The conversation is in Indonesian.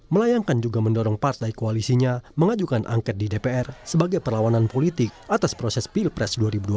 melayangkan juga mendorong partai koalisinya mengajukan angket di dpr sebagai perlawanan politik atas proses pilpres dua ribu dua puluh